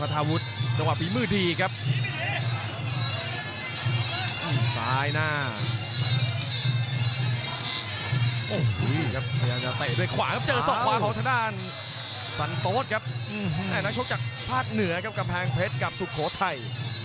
สันโต๊ศครับแหละนักโชคจากภาคเหนือครับกำแพงเพชรกับสุโขทัย